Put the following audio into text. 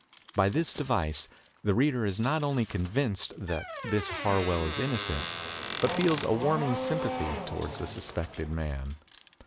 By this device the reader is not only convinced that this Harwell is innocent, but feels a warming sympathy toward the suspected man.